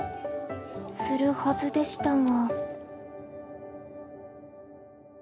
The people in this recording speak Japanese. するはずでしたが。